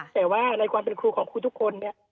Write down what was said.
แต่ว่าในความเป็นครูของครูทุกคนเนี่ย